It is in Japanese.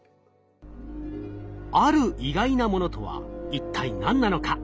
ある意外なものとは一体何なのか？